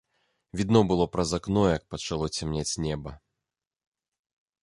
Відно было праз акно, як пачало цямнець неба.